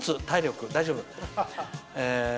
大丈夫。